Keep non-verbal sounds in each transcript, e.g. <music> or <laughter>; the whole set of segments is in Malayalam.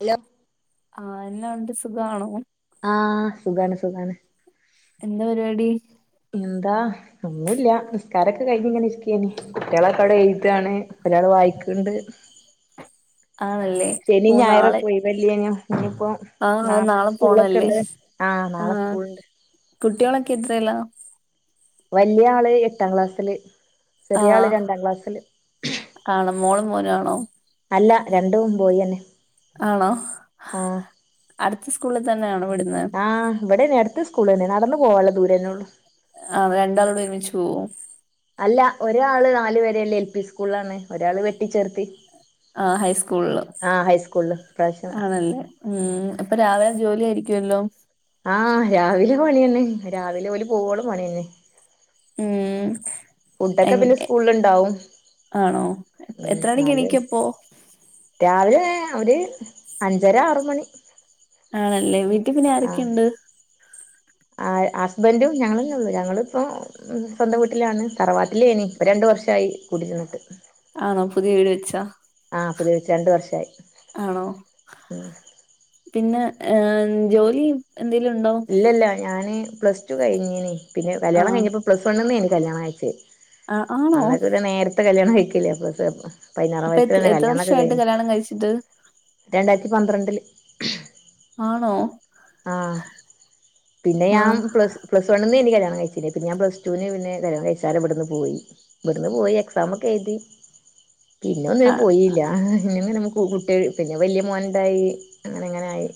ഹലോ ആഹ് എല്ലാണ്ട് സുഖാണോ ആഹ് സുഖാണ് സുഖാണ് എന്താ പരിപാടി എന്താ ഒന്നൂല്ല നിസ്കാരൊക്കെ കഴിഞ്ഞ ഇങ്ങെ നെഇരിക്കാണ് കുട്ടികളൊക്കെ അവിടെ എഴുതാണ് ഒരാള് വായിക്കണ്ട് <inaudible> ശനി ഓ നാളെ ഞായറൊക്ക ഒയിവേ ല്ലെന്നു ഇനിയിപ്പോ ആഹ് നാളെ പോണല്ലേ സ്കൂളൊക്കെല്ലേ ആഹ് നാളെ സ്കൂളിണ്ട് കുട്ടിയോളക്കെ എത്രയിലാ വലിയ ആള് എട്ടാം ക്ലാസ്സിില് ചെറിയ ആള് ആഹ് രണ്ടാം ക്ലാസ്സിില് ആണോ മോളും മോനും ആണോ അല്ല രണ്ടും പോയിന്നെ ആണോ അടുത്ത സ്കൂളിൽ തന്നെയാണോ വിടുന്നത് ആഹ് ഇവിടെ നേ അടുത്ത് സ്കൂൾ തന്നെ നടന്ന പോകാവുള്ള ദൂരേന്നേ ഉള്ളൂ ആ രണ്ടാളോട് ഒരുമിച്ച് പോവു അല്ല ഒരാള് നാലു വരല്ലേ എൽ പി സ്കൂളാണ് ഒരാള് വെട്ടിിച്ചേർത്തി ആ ഹൈസ്കൂളില് ഹൈസ്കൂളില് ഇപ്രാവശ്യം ആണല്ലേ ഉം ഇപ്പൊ രാവിലെ ജോലി ആയിരിക്കുമല്ല ആഹ രാവിലെ പണി തന്നെ രാവിലെ പോലെ പോവോള പണി തന്നെ ഉം ഫുഡൊക്കെ പിന്നെ എ സ്കൂളില്ണ്ടാവും ആണോ ഉം എത്ര മണിക്ക് ന്നാല് എണക്ക്പ്പോ രാവിലെ അവര് അഞ്ചര ആറ മണി ആണല്ലേ വീട്ടിൽ പിന്നെ ആഹ് ആരൊക്കെയുണ്ട്. ഹസ്ബൻഡും ഞങ്ങളന്ന ഞങ്ങളിപ്പം സ്വന്തം വട്ടിലാണ് തറവാറ്റിലേനി രണ്ടു വർഷമായി കൂടിരുന്നിട്ട്. ആണോ പുതിയ വീട് വെച്ചാ ആ പുതുയച്ച് രണ്ട് വർഷമായി ആണോ പിന്നെ ജോലി എന്തെങ്കലും ഉണ്ടോ ഇല്ലല്ല ഞാന് പ്ലസ് ടു കഴിഞ്ഞന് പിന്നെ കല്യാണം ആഹ് കഴിഞ്ഞപ്പോ പ്ലസ് വണ്ണന്നന് കല്യാണം അയച്ചേ ആ ആണോ അന്നക്കെ ഇവിടെ നേരത്തെ കല്യാണം കഴിക്കില്ലേ അപ്പ പതിനാറ് അപ്പൊ വയസ്സിൽ എത്ര തന്നെ എത്ര കല്യാണംക്കെ വർഷായിട്ട് കഴിഞ്ഞു കല്യാണം കഴിച്ചിട്ട് രണ്ടായിരത്തി പന്ത്രണ്ടില് ആണോ ആഹ പിന്നെ ഞാൻ ആഹ് പ്ലസ് പ്ലസ്ണ്ണ നിന്ന് എ കല്യാണം കഴിച്ചിേന്ന പ്ല ടുവിന് പിെ കല്യാണം കഴിച്ചാ ഇവിടുന്ന് പോയി. ഇവിടുന്ന് പോയി എക്സാം ഒക്കെ എഴുതി പിന്നെ ഒന്നിന ആ പോയില്ല ഇല്ലന്നങ്ങെ നമക്ക് കുട്ടിക പിന്നെ വലിയ മോൻണ്ടായി അങ്ങനെ അങ്ങനായി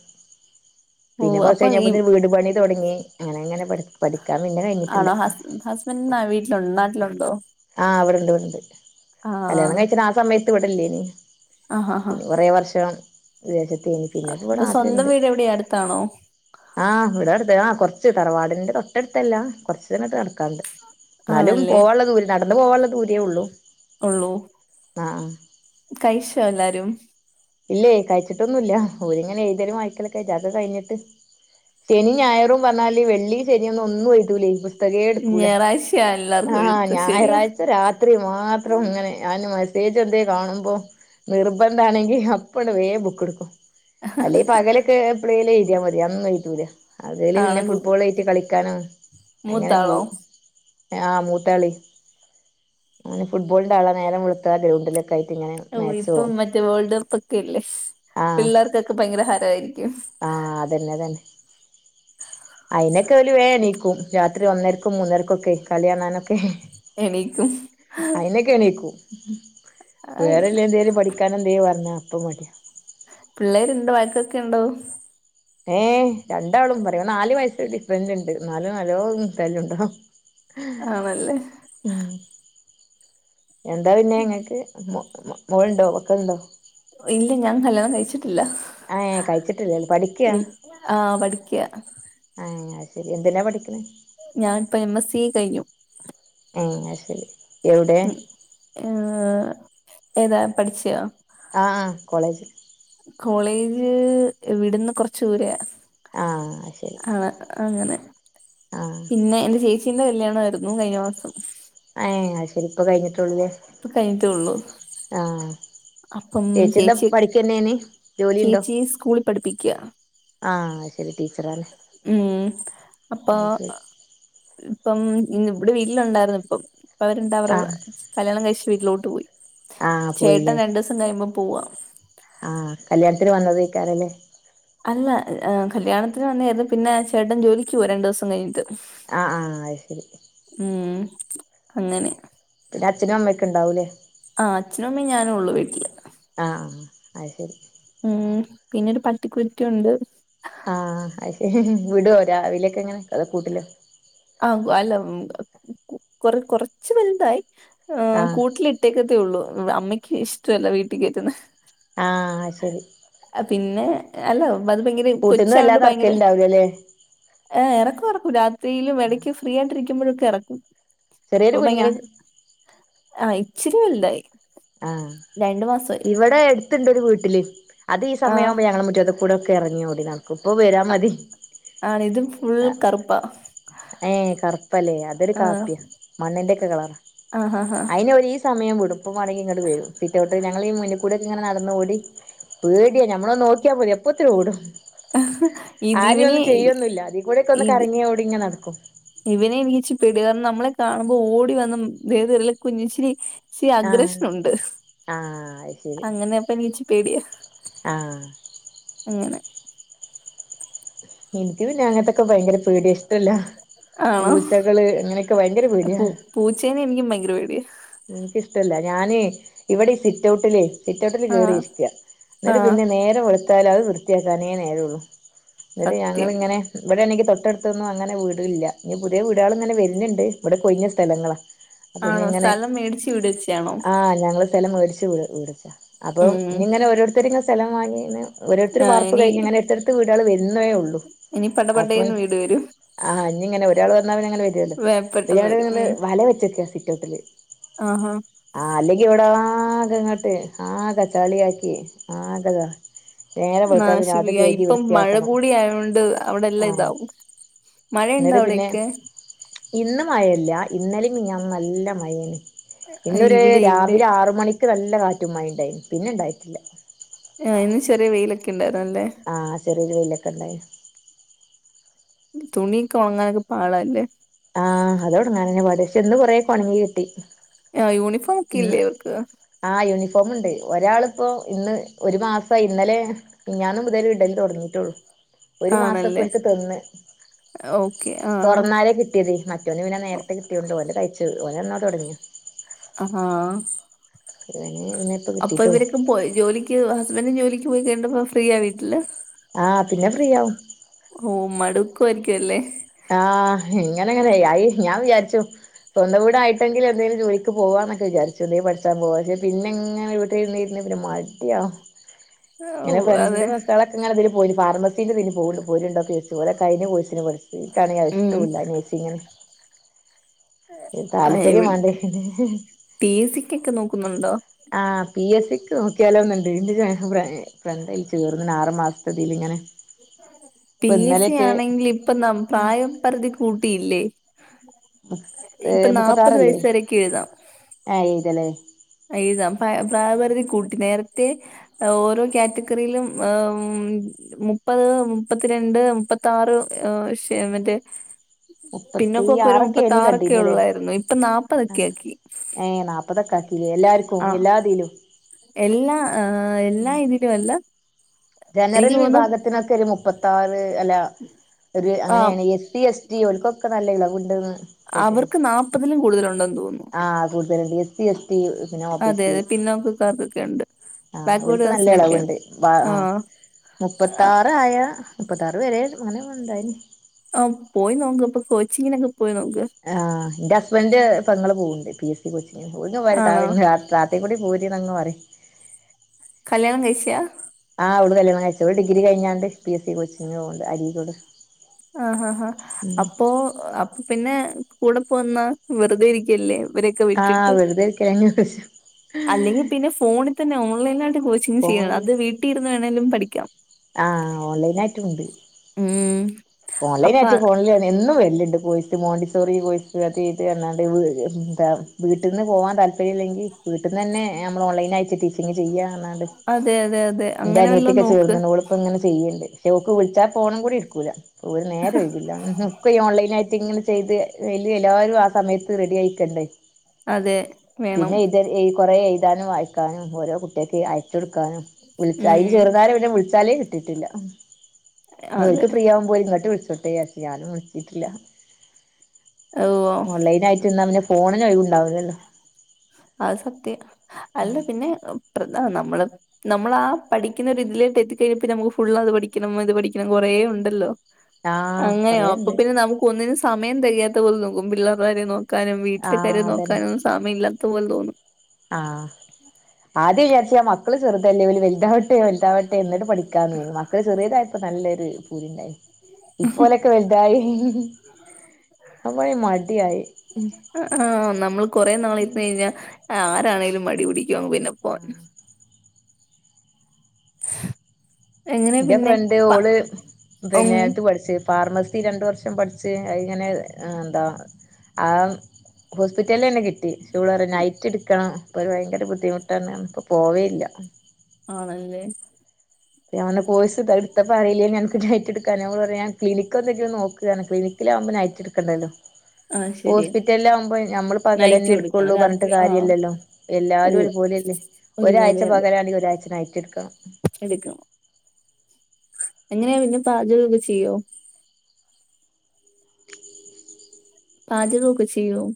ഓ പിന്നെ കുറച്ച് അപ്പൊ ഈ കഴിഞ്ഞപ്പ വീട് പണി തുടങ്ങി അങ്ങനെ അങ്ങനെ പ പഠാൻ പിന്നെ കഴിഞ്ഞിട്ടില്ല ആണോ ഹസ് ഹസ്ബൻഡ വീട്ടിലുണ്ടോ നാട്ടിലുണ്ടോ? ആഹ് അവിടെണ്ട് ഇവിടുണ്ട് ആഹ് കല്യാണം കഴിച്ചിട്ട ആ സമയത്ത് വിടല്ലേ നി ആഹ് ആഹ് പിന്ന കുററെേ വർഷം വിദേശത്തന് പിന്നെപ്പ ഇവിടെ അപ്പൊ സ്വന്തം നാട്ടിലുണ്ട് വീട് എവിടെയാ അടുത്താണോ ആഹ് ഇവിടെ അടുത്ത് ആ കുറച്ച് തറവാടി്റെ തൊട്ടടുത്തല്ല കൊറച്ച്നക്ക നടക്കാണ്ട് എന്നാലും ആണല്ലേ പോവാനുള്ള ദൂരെം നടന്നു പോവാനുള്ള ദൂരേ ഉള്ളു ഉള്ളൂ കൈശോ എല്ലാരും ഇല്ലേ കഴിച്ചിട്ടൊന്നുമല്ല രിങ്ങനെ ഏതേരും വായക്കൊ കഴിഞ്ഞിട്ട് തനി ഞായറും പറഞ്ഞാല് വെള്ളി ശരിയൊന്ന ഒന്നും ആയിട്ടൂില്ലേ ഇപ്പ ത്തകേ എട്ക്കൂല. ഞായറാഴ്ചയാ എല്ലാർക്കും ആഹ് എഴുത്ത് ശരിയാ ഞായറാഴ്ച രാത്രി മാത്രം ഇങ്ങനെ ഞാന് മെസ്സേജ് എന്തേ കാണുമ്പോ നിർബന്ധ ആണെങ്കിൽ അപ്പ അപ്പണ് വേം ബുക്ക്ട്ക്കും അല്ലെ പകലൊക്കെ എപ്ളേലും എയ്ത്യാ അതൊന്നും എയ്തൂല പകൽ ആണ് പിന്നെ ഫുട്ബോൾ ആയിട്ട് കളിക്കാനോ അങ്ങനെ മൂത്താളോ പോവും ആഹ് മൂട്ടാളി ഓൻ ഫുട്ബോളിന്റെ ആളാ നേരം വെള്ത്താല് <unintelligible> ഓ ഇപ്പം മറ്റേ വേൾഡ് കപ്പൊക്കല്ലേ ആഹ് പിള്ളേർക്കൊക്കെ ഭയങ്കര ഹാരായിരിക്കും. ആഹ് അതന്നെ അതന്നെ ഐനൊക്കെ ഓല് വേണീക്കും. രാത്രി ഒന്നര്ക്കും മൂന്നര്ക്കൊക്കെ കള്യാണാനൊക്കെ എണീക്കും അയി എണീക്കും ആഹ് വേറെല്ല എന്തേലും പഠിക്കാനെന്തേ പർഞ്ഞാ അപ്പ മട്യാ. പിള്ളേര്ണ്ടോവയകോക്കേണ്ടോ? ഏഹ് രണ്ടാളും പറയും നാല് വയസ് ഡിഫറൻറ്ണ്ട് നാലും നല്ലോം ആണല്ലേ <unintelligible> ഉം എന്താ പിന്നെ ങ്ങക്ക് മോ മോ മോള്ണ്ടോ മക്കലിണ്ടോ ഇല്ല ഞാൻ കല്യാണം കഴിച്ചിട്ടില്ല. ഏഹ് കഴിച്ചിട്ടില്ല പഠിക്ക്യാ ആഹ് പഠിക്ക ആഹ് അത് ശെരി എന്തിനാ പഠിക്കണേ ഞാൻപ്പ എം എസ് സി കയ്ഞ്ഞു. ഏഹ് അത് ശെരി എവടെ ഏ ഏതാ പഠിച്ചോ ആഹാ കോളേജ് കോളേജ് ഇവിട്ന്ന് കൊർച്ച് ദൂരെയാ ആഹാ ശെരി ആണ് അങ്ങനെ. പിന്നെ എന്റെ ചേച്ചീന്റെ കല്യാണായിര്ന്നു കഴിഞ്ഞ മാസം. ഏയ് അത്ശെരിപ്പൊ കൈഞ്ഞിട്ടൊള്ളുലെ? പ കൈഞ്ഞ്ട്ടൊള്ളു ആഹാ അപ്പം ചേച്ചി ജോലി ഉണ്ടോ ചേച്ചി സ്കൂളിൽ പഠിപ്പിക്ക്യാ ആഹ് ശെരി ടീച്ചറാലെ ഉഹും അപ്പൊ ഇപ്പം ഇന്ന് ഇവടെ വീട്ടിലുണ്ടായിര്ന്ന് ഇപ്പം. ഇപ്പ അവരുണ്ട അവരു ആഹ് കല്യാണം കഴിച്ച വീട്ടിലോട്ട് പോയി. ആഹ് ചേട്ടൻ പോയില്ലേ രണ്ട്സം കഴിയുമ്പോ പോവാ. ആഹ് കല്യാണത്തിന് വന്നതേയ്ക്കാരലേ? അല്ല കല്യാണത്തിന് വന്നേര്ന്നു. പിന്നെ ചേട്ടൻ ജോലിക്ക് പോരണ്ടൂസം കഴിഞ്ഞിട്ട് ആഹ് ആഹാ അയ് ശെരി ഉും അങ്ങനെ നിൻ്റെ? അച്ഛനും അമ്മെക്കെണ്ടാവൂലേ ആഹ് അച്ഛനുമമീം ഞാനുള്ളു വീട്ടിൽ ആഹ് അത് ശെരി ഉും പിന്നെരു പട്ടിക്കുട്ടിണ്ട് ആഹ് അത്ശെരി ഹി ഹെ വിടോ രാവിലൊക്കെങ്ങനെ അതോ കൂട്ടിലോ? ആഹു അല്ല കൊറേ കൊറേ കൊർച്ച് വൽതായി ഉം ആഹ് കൂട്ടില് ലിട്ടേക്കത്തേഉള്ളൂ അമ്മയ്ക്ക് ഇഷ്ട്ടല്ല വീട്ടീകേറ്റുന്നേ ആഹാ അഹ് ശെരി പിന്നെ അല്ല വ ങ്ങനെ കൂട്ടിന്ന് കൊച്ചായോണ്ട് വല്ലാതെ ഭയങ്കരെ എറക്കലുണ്ടാവൂലല്ലേ ഏഹ് എറക്കും എറക്കും രാത്രീലും എടക്ക് ഫ്രീ ആയിണ്ടിരിക്കുമ്പോഴൊക്കെ എറക്കും ചെറിയൊരു അപ്പൊ കുഞ്ഞാ ഭയങ്കരെ ആഹ് ഇച്ചിരി വൽതായി ആഹാ ഇവടെ എട്ത്ത്ണ്ടൊര് വീട്ടില്. അത് ഈ ആഹ് സമയാവുമ്പോ ഞങ്ങളെ മുറ്റ ത്തുകൂടെക്കെ എറങ്ങിയ ഓടി നടക്കും ഇപ്പൊ വരാ മതി ആണ് ഇതും ഫുൾ കറുപ്പാ. ഏഹ് കറ്പ്പല്ലേ അതൊരു ആഹ് കാപ്പ്യാ മണ്ണിന്റെക്കെ കളറ ആഹാഹാ അയിന് ഒരീ സമയം വിടും പ്പം വാണെങ്കി ഇങ്ങട്ട് വരും. സിറ്റോട്ട് ഞങ്ങള മുന്ന്കൂടെ ഇങ്ങെ നടന്ന ഓടി പേടിയാ ഞമ്മള നോക്കിയാ മതി അപ്പൊത്തിന് ഓടും ഇത് ആരെ ഇവനെ ഒന്നും ചെയ്യൊന്നില്ല. അതി കൂടെക്കെ ഒന്ന് ഇത് കറങ്ങിയ ഓടി ഇങ്ങെ നടക്കും. ഇവനെ വിച്ച്പെട നമ്മളെ കാണുമ്പോ ഓടി വന്ന വേത് ല കുഞ്ഞിച്ചിരി ശി ആഹ് അഗ്രഷ്നുണ്ട് ആഹ് അങ്ങനെയ പ്പ നീച്ചി പേടിയ ആഹാ അങ്ങനെ ഇന്ക്ക് പിന്നെ അഞങ്ങത്തൊക്കെ ഭയങ്കര പെടിയ ഇഷ്ടല്ലാ ആണോ പൂച്ചകള് അങ്ങനെയൊക്കെ ഭയങ്കര പേടിയ പൂ പൂച്ചേനെ എനിക്കും ഭയങ്കര പേടിയ എനിക്കിഷ്ടല്ല ഞാന് ഇവിടെ സിറ്റ് ഔട്ടിലേ സിറ്റോട്ടിൽ കേറി ആഹ് ഇരിക്ക ന്നിട്ട് ആഹ് പിന്നെ നേരെം വെളുത്താല് അത് വൃത്തിയാക്കാനേ നേരോള്ളു ന്നട്ട് ഞങ്ങള് സത്യം. ങ്ങനെ ഇവടെണെങ്ങി തൊട്ടട്ത്തൊന്നും അങ്ങനെ വീടില്ല ഇനി പുതിയ വീടാൾ ഇങ്ങനെ വര്ന്ന്ണ്ട് ഇവിടെ കൊയിഞ്ഞ സ്ഥലങ്ങളാ ആണോ? സ്ഥലം മേടിച്ചു വിടച്ചാണോ? ആഹാ ഞങ്ങള് സ്ഥലം മേട്ച്ച് വീട്ച്ചാ. അപ്പൊ ഉം ഇ്ഞി ഇങ്ങനെ ഓരോരുത്തര്ങ്ങെ സ്ഥലം വാങ്ങിന്ന് ഓരോരുതര് ആഹ് ഇനി വാർപ്പ്ഴിഞ്ഞ് ങ്ങനെ എട്തട് വിടാള് വരുന്നേള്ളൂ ഇനി പട പടേന്ന് വീട് വെരും ആഹ് അനി ഇങ്ങനെ ഒരാൾ വന്ന പിന്നെങ്ങന വെരൂല്ലോ വേ പെട്ടെന്ന് വരും പിരിയാണീന്ന് വല വെച്ച്ക്കാ സിറ്റൗട്ടില് ആഹ ആ അല്ലെങ്കി ഇവിട ആ കെ ഇങ്ങോട്ട് ആകെ ചളിയാക്കി ആക ഇത നാശിപിയ ഇപ്പം മഴ കൂടിയായോണ്ട് അവിടെല്ലാം ആഹ് ഇതാവും മഴ ഇണ്ടാ എന്നിട്ട് പിന്നെ അവിടൊക്കെ ഇന്ന് മഴയില്ല ഇന്നലേം മെനഞ്ഞാന്നും നല്ല മഴയാണ് ഇന്നൊരു ഇവിടെ ഇവിടെ രാവിലെ ആറ് മണിക്ക് നല്ല കാറ്റും മഴയിണ്ടായി പിന്നെ ഉണ്ടായിട്ടില്ല ആ ഇന്ന് ചെറിയ വെയിലൊക്കെ ഇണ്ടായിരുന്നല്ലേ ആ ചെറിയ വെയിലൊക്കെ ഇണ്ടായി തുണിക്കൊ ഉണങ്ങാനൊരു പാടല്ലേ? ആഹാ അതോട്ങ്ങാനെന്നെ പാട് പഷെ ന്ന്കുറേ കൊണങ്ങി കിട്ടി ആ യൂണിഫോമോ ഒക്കെ ഇല്ലേ ഓർക്ക് ആ യൂണിഫോമുണ്ട് ഒരാളിപ്പോ ഇന്ന് ഒരു മാസായി ഇന്നലെ മിൻഞാന്ന് മുതല് ഇടല് തൊടങ്ങീട്ടൊള്ളൂ ഒരു ആണല്ലേ മാസ്പ്പെടുത്ത് തിന്ന് ഓക്കെ ആഹ് തൊറന്നാല് കിട്ട് കിട്ടിയത് മറ്റോന് പിന്നെ നേര്ത്തെ കിട്ടിയോണ്ട് ഓലതയിച്ച് ഓലെന്നൊ തൊടങ്ങി അഹാ ഓന് പിന്നെ ഇപ്പ അപ്പൊ കിട്ടിയിട്ടുള്ളൂ ഇവരൊക്കെ പോയി ജോലിക്ക് ക്ക് ഹസ്ബൻഡും ജോലിക്ക് പോയി കഴിഞ്ഞപ്പോ ഫ്രീയ വീട്ടില് ആഹ് പിന്ന ഫ്രീയാവും ഓ മടുക്കായിരിക്കു അല്ലേ ആഹ് ഇങ്ങനങ്ങനെ ആയി ഞാൻ വിചാരിച്ചു തൊണ്ടം വീടായിട്ടെങ്കിലും എന്തേലും ജോലിക്ക് പോവാന്നൊക്കെ വിചാരിച്ചു എന്തേ പഠിച്ച പോവാ പക്ഷേ പിന്നെങ്ങനെ ഇവി ഇരുന്നു ഇരുന്നിരുന്നു പിന്ന മടിയാവും <inaudible> ഇങ്ങനെ ഓഹ് അതെ ഫ്രണ്ട്സിന്റെ ബർത്തളെ ഇങ്ങളതീല് പോയി ഫാർമസീന്റെതില് പോവുണ്ട് പ്പോര് രണ്ടാക്കു വെച്ച് ഓര കഴിഞ്ഞ കോഴ്‌സിന് പൊലും എനിക്കാണേ അതു ഉം ഇഷ്ടോല്ല മേച്ചിങ്ങനെ ത് ആഹ് എവി താല്പര്യമുണ്ട് പി എസ് സിക്കൊക്കെ നോക്കുന്നുണ്ടോ ആ പി എസ് സിക്ക് നോക്കിയാലോന്നുണ്ട് എന്റൊരു അഭിപ്രായം ഫ്രണ്ടയി ചേർന്ന് ആറ് മാസതത്തി ഇങ്ങനെ പി എസ് സി ആണെങ്കിൽ ഇപ്പൊ ന്നം പ്രായ പരിധി കൂട്ടിയില്ലേ ഇപ്പ നാപ്പത് വയസ്സ് വേരക്കെഴുതാം അയ്തലെ എഴുതാം പ്രാ പ്രായ പരുതി കൂട്ടി നേര്ത്തെ ഓരോ കാറ്റഗറിയിലും അം മുപ്പത് മുപ്പത്തിരണ്ട് മുപ്പത്താറ് വിഷയം മറ്റെ പിന്ന മുപ്പത്തി പ്പൊക്കൊരു ആറൊക്കേനി മുപ്പത്താറൊക്കെ കണ്ടീന്യല്ലേ ഉള്ളായിര്ന്നു ഇപ്പൊ നാപ്പതക്കെ ആക്കി അതക്കാക്കിലെ എല്ലാർ അ എല്ലാ എല്ലാ ഇതിലും അല്ല ജനറൽ എനിക്ക് തോന്നുന്നു വിഭാഗത്തിനൊക്കെ ഒരു മുപ്പത്താറ് അല്ല ഒരു ആഹ് അങ്ങനെയാണ് എസ് ഡി എസ് റ്റി ഓൽക്കൊക്കെ നല്ല ഇളവുണ്ടന്ന് അവർക്ക് നാല്പ്പതിലും കൂടുതലൊണ്ടെന്ന് തോന്നു ആ കൂടുതലുണ്ട് എസ് ഡി എസ് റ്റി പിന്ന അതെ ഒബിസി അതെ പിന്നോക്കക്കാർക്കൊക്കെ ഉണ്ട് ആ ബാക്ക്വേർഡ് ഓൽക്ക് നല്ല കാസ്റ്റിനൊക്കെയാണ് എളവുണ്ട് ആ ആഹ് മുപ്പത്താറ് മുപ്പതായ മുപ്പതാറ് വെരെ മന ഉണ്ടായിര് ആഹ് പോയി നോക്ക് ഇപ്പൊ കൊച്ചിങ്ങിനൊക്കെ പോയി നോക്ക് ആ എന്റെ ഹസ്ബൻഡ് പെങ്ങള് പോവുണ്ട് പി എസ് സി കൊച്ചിങിന് പോവുന്ന വഴി ആണോ താഴന്നെ താ താ ഇത്തേം കൂടി പോര്ന്നങ് പറയും കല്യാണം കഴിച്ചയ ആഹ് അവള് കല്യാണം കയ്ച്ച ഒരു ഡിഗ്രി കഴിഞ്ഞാണ്ട് പി എസ് സി കോച്ചിങ് പോണ്ട് അരീക്കോട് ആഹ ഹാ ഉം അപ്പോ അപ്പ പിന്നെ കൂടെ പോന്നാ വെറുതെ ഇരിക്കല്ലേ ഇവരൊക്കെ ആഹ് വെറുതെ ഇരിക്ക <inaudible> അല്ലെങ്കി പിന്നെ ഫോണിതന്നെ ഓൺലൈനായിട്ട് കോച്ചിങ് ചെയ്യാ. ഫോണില് അത് വീട്ടി ഇരുന്ന് വേണെലും പഠിക്കാം ആ ഓൺലൈനായിട്ടുണ്ട് ഉം അപ്പൊ ഓൺലൈനായിറ്റ് അ- ഫോണിലാണെ എന്നും വെരല്ണ്ട് കോഴ് മോണ്ടിസോറി കോഴ്സ് അത് ഇത് അർഞ്ഞാണ്ട് വീ എന്താ വീട്ടിന്ന് പോവാൻ താല്പര്യല്ലെങ്കി വീട്ടീന്ന്ന്നെ നമ്മള് ഓൺലൈനായിട്ട് ടീചിങ് ചെയ്യാന്ന് ഞ്ഞാണ്ട് അതെ അതെ അതെ ന്റെ അങ്ങനെ വല്ലോ അനിയത്ത്യക്കെ നോക്ക് ചേർന്ന്നോള് ഇപ്പ ഇങ്ങനെ ചെയ്യണ്ട് ക്ഷേ ഓക്ക് വിളിച്ചാ ഫോണു കൂടി എടുക്കൂല ഒര് നേരം ഒഴിവില്ല ഒക്ക ഇനി ഓൺലൈനായിട്ട് ഇങ്ങെനെ ചെയ്ത് വെല്യു എല്ലാരു ആ സമയത്ത് റെഡി ആയിക്കണ്ടേ അതെ വേണം പിന്നെ ഇത് കൊറെ എഴുതാനും വായിക്കാനും ഓരോ കുട്ട്യാക്ക് അയച്ചൊട്ക്കാനും വിൾച്ചാ, അയ്ല് ഉം ചെർന്നാരെ പിന്നെ വിൾച്ചാലെ കിട്ടിട്ടില്ലന്നി അതെ ഓൽക്ക് ഫ്രീയാവുമ്പോ ഇങ്ങട്ട് വിളിചോട്ടെ ചാരിച്ച് ഞാനും വിളിച്ചിട്ടില്ല ഓഹ് ഫോണി ന് ഒയ് വുണ്ടാവുല ല്ലോ അത് സത്യ. അല്ല പിന്നെ പ്രധാ നമ്മള് നമ്മളാ പഠിക്കുന്ന ഒരു ഇതിലേട്ട് എത്തിക്കഴിഞ്ഞപ്പ നമുക്ക് ഫുള്ളത് പഠിക്കണം ഇത് പഠിക്കണം കൊറേ ഉണ്ടല്ലോ ആഹ് അങ്ങനെയോ അപ്പൊ കൊറേണ്ട് പിന്നെ നമുക് ക്കൊന്നിനും സമയം തെകയാത്ത പോലെ നോക്കും. പിള്ളേർടെ കാര്യം നോക്കാനും വീട്ടിലെ ആഹ് കാര്യം അതന്നെ നോക്കാനൊന്നും സമയല്ല ത്തപോലെ തോന്നും ആഹ്. ആദ്യം വിചാരിച്ച് ഞാൻ മക്കള് ചെർതല്ലേ ഓല് വെൽതാവട്ടെ വെൽതാവട്ടെ ന്നെട്ട് പഠിക്കാന്ന്. മക്കള് ചെറിയതായപ്പോ നല്ലൊരു പൂതിണ്ടായിനി ഇപ്പോലൊക്കെ വെൽതായി അപ്പോയേ മടിആയി ആഹ് നമ്മൾ കൊറെ നാള് ഇപെയ്ഞ്ഞ ആരാണേലും മടി പിടിക്കും. അപ്പൊ പിന്നെ പ്പോ <inaudible> എങ്ങനെ ന്റെ പിന്നെ ഫ്രണ്ട് പ ഓള് ഉം പിന്നെ ത്പഠിച്ച് ഫാർമസി രണ്ട് വർഷം പഠിച്ച് അയ് ങ്ങനെ ന്താ ആഹ് ഹോസ്പിറ്റൽ ലെന്നെ കിട്ടി ക്ഷെ ഓള് റിയാ നൈറ്റ്ട്ക്കണം പ്പൊരു ഭയങ്കര ബുദ്ധിമുട്ടാണ്ർഞ് പ്പൊ പോവേല്ല ആണല്ലേ ഞാന് പോയിസി എടുത്തപ്പം അറിയില്ലെനി എൻക്ക് ഡയറ്റെടുക്കാനാ ഓള് പറയാ ഞാൻ ക്ലിനിക്കൊന്ന് <unintelligible> <unintelligible> മ്പോ നൈറ്റിട്ക്കണ്ടല്ലോ ആഹ് ശരിയാ ഹോസ്പിറ്റൽലാകുമ്പോ ഞമ്മള് നൈറ്റ് കൊടുക്കണം പകലന്നെട്ക്കൊള്ളൂ പർഞ്ഞിട്ട് രാത്രി ആഹ് കാര്യല്ലല്ലോ എല്ലാരും എല്ല ഒരുപോലയല്ലേ ഒരാഴ്ച പകലാണെങ്കി ഒരാഴ്ച നൈറ്റ്ട്ക്കണം എടുക്കും എങ്ങനേ പിന്നെ പാചകൊക്കെ ചെയ്യോ പാചക ഒക്കെ ചെയ്യോ?